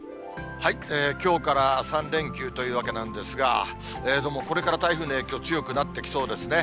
きょうから３連休というわけなんですが、どうもこれから台風の影響、強くなってきそうですね。